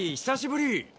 久しぶり。